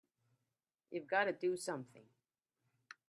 You've got to do something!